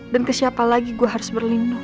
dan ke siapa lagi gue harus berlindung